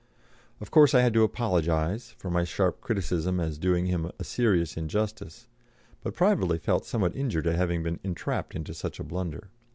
Of course I had to apologise for my sharp criticism as doing him a serious injustice, but privately felt somewhat injured at having been entrapped into such a blunder.